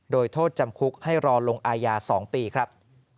โดยโทษจำคุกให้รอลงอาญา๒ปีครับ